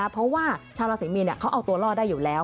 เพราะว่าชาวราศรีมีนเขาเอาตัวรอดได้อยู่แล้ว